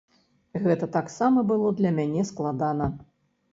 Гэта таксама было для мяне складана.